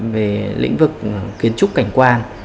về lĩnh vực kiến trúc cảnh quan